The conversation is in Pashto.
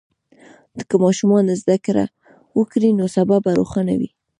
که ماشوم زده کړه وکړي، نو سبا به روښانه وي.